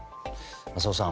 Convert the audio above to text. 浅尾さん